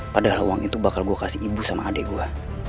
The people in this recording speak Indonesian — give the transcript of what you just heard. padahal uang itu bakal gue kasih ibu sama adik gue